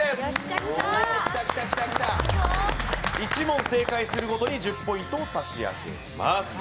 １問正解するごとに１０ポイント差し上げます。